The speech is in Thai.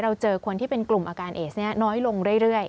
เจอคนที่เป็นกลุ่มอาการเอสนี้น้อยลงเรื่อย